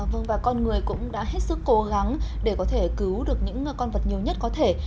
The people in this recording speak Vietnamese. vâng và con người cũng đã hết sức cố gắng để có thể cứu được những con vật nhiều nhất có thể